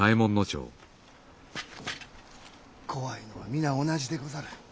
怖いのは皆同じでござる。